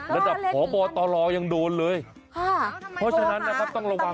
ระดับพบตรยังโดนเลยค่ะเพราะฉะนั้นนะครับต้องระวัง